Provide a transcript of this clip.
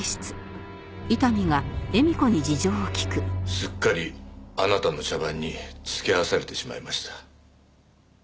すっかりあなたの茶番に付き合わされてしまいました。